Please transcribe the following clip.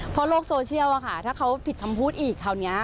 เพราะโลกโซเชียลถ้าเขาผิดคำพูดอีกคราวนี้